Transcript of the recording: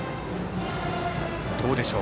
どうでしょう